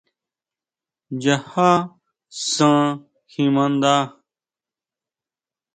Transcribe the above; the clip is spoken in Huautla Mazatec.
Nchaja san kjimanda.